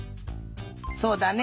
そうだね。